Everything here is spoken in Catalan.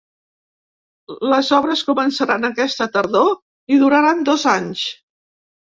Les obres començaran aquesta tardor i duraran dos anys.